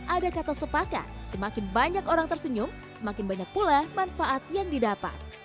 ada kata sepakat semakin banyak orang tersenyum semakin banyak pula manfaat yang didapat